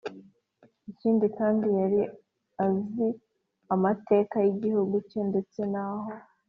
ikindi kandi yari aziamateka y’igihugu cye, ndetse naho